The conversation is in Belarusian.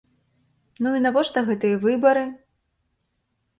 Ну і навошта гэтыя выбары?